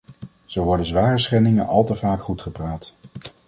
Zo worden zware schendingen al te vaak goedgepraat.